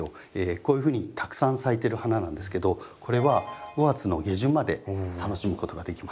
こういうふうにたくさん咲いてる花なんですけどこれは５月の下旬まで楽しむことができます。